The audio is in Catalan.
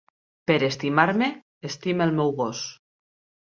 Per estimar-me, estima el meu gos